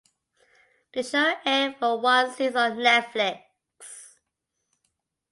The show aired for one season on Netflix.